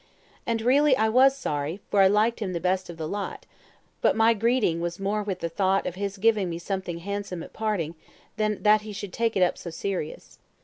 And really I was sorry, for I liked him the best of the lot, but my greeting was more with the thought of his giving me something handsome at parting than that he should take it up so serious.